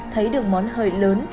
thấy được món hơi lớn